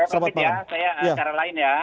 ya profit ya saya cara lain ya